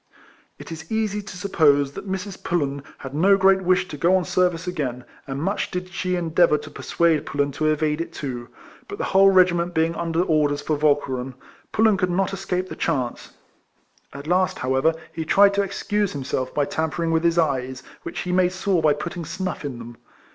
It is easy to suppose that ]\Irs. Pullen had no great wish to go on service again, and much did she endeavour to persuade Pullen to evade it too; but, the whole regiment RIFLEMAN HARRIS. 143 being under orders for Walcheren, Pullen could not escape the chance. At last, how ever, he tried to excuse himself by tamper ing with his eyes, which he made sore by putting snuff in them.